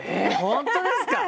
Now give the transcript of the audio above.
本当ですか！